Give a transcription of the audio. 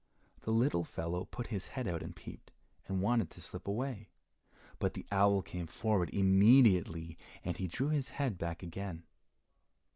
The little fellow put his head out and peeped, and wanted to slip away, but the owl came forward immediately, and he drew his head back again.